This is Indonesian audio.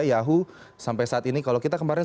yahoo sampai saat ini kalau kita kemarin